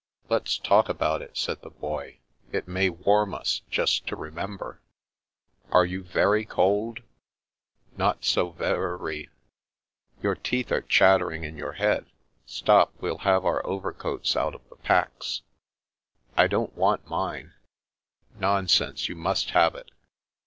"Let*s talk about it," said the Boy. "It may warm us, just to remember.' " Are you very cold ?" Not so vc r y." The Revenge of the Mountain 283 " Your teeth are chattering in your head. Stop, we'll have our overcoats out of the packs." " I don't want mine." " Nonsense ; you must have it."